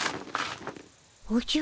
おじゃ。